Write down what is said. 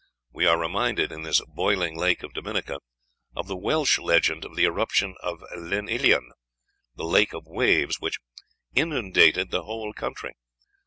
We are reminded, in this Boiling Lake of Dominica, of the Welsh legend of the eruption of the Llyn llion, "the Lake of Waves," which "inundated the whole country."